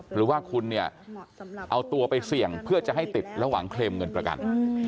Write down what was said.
หรือว่าคุณเนี่ยเอาตัวไปเสี่ยงเพื่อจะให้ติดระหว่างเคลมเงินประกัน